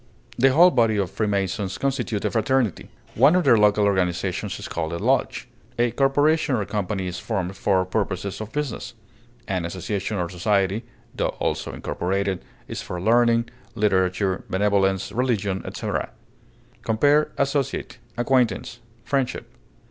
The whole body of Freemasons constitute a fraternity; one of their local organizations is called a lodge. A corporation or company is formed for purposes of business; an association or society (tho also incorporated) is for learning, literature, benevolence, religion, etc. Compare ASSOCIATE; ACQUAINTANCE; FRIENDSHIP.